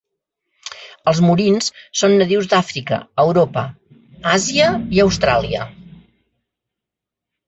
Els murins són nadius d'Àfrica, Europa, Àsia i Austràlia.